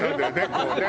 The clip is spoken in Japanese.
こうね。